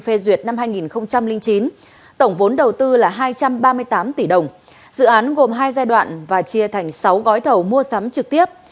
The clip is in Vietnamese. phê duyệt năm hai nghìn chín tổng vốn đầu tư là hai trăm ba mươi tám tỷ đồng dự án gồm hai giai đoạn và chia thành sáu gói thầu mua sắm trực tiếp